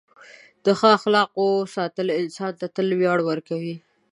د ښه اخلاقو ساتل انسان ته تل ویاړ ورکوي.